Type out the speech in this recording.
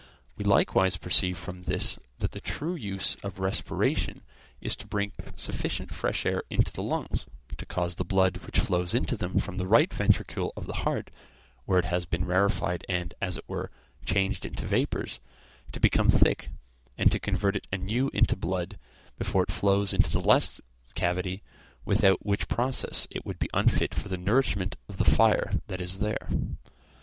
We likewise perceive from this, that the true use of respiration is to bring sufficient fresh air into the lungs, to cause the blood which flows into them from the right ventricle of the heart, where it has been rarefied and, as it were, changed into vapors, to become thick, and to convert it anew into blood, before it flows into the left cavity, without which process it would be unfit for the nourishment of the fire that is there.